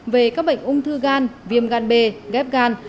về các bệnh ung thư gan viêm gan b ghép gan